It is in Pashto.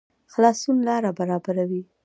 خلاصون لاره برابروي